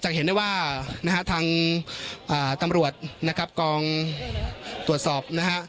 จากเห็นได้ว่าทางตำรวจกองตรวจสอบ